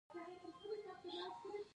چാണکیا د هغه وزیر او لارښود و.